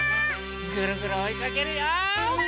ぐるぐるおいかけるよ！